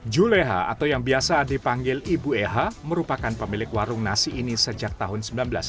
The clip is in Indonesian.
juleha atau yang biasa dipanggil ibu eha merupakan pemilik warung nasi ini sejak tahun seribu sembilan ratus sembilan puluh